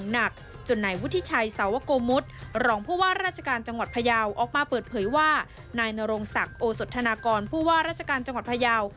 นี่ฉลุยว่าในนรงสักส่งอสสธนากรผู้ว่าราชการจังหวัดพยาว